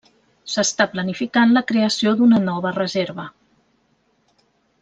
S'està planificant la creació d'una nova reserva.